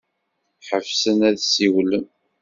Ḥebsen ad ssiwlen.